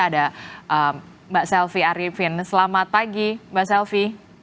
ada mbak selvi arifin selamat pagi mbak selvi